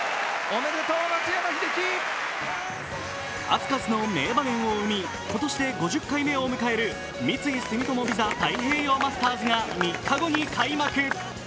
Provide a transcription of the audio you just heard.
数々の名場面を生み、今年で５０回目を迎える三井住友ＶＩＳＡ太平洋マスターズが３日後に開幕。